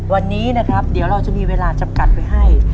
วันนี้นะครับเดี๋ยวเราจะมีเวลาจำกัดไว้ให้